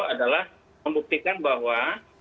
adalah membuktikan bahwa